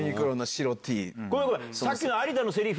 さっきの有田のセリフ